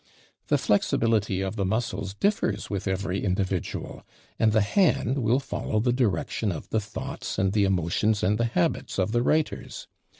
The flexibility of the muscles differs with every individual, and the hand will follow the direction of the thoughts and the emotions and the habits of the writers.